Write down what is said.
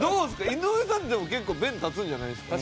井上さんってでも結構弁立つんじゃないですか？